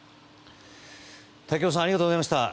瀧尾さんありがとうございました。